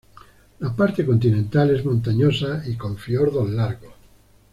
La parte continental es montañosa y con fiordos largos.